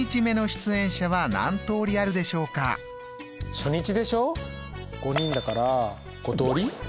初日でしょ５人だから５通り？